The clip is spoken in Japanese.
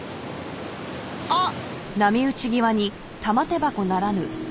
あっ。